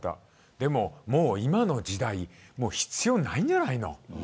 でも、今の時代必要ないんじゃない。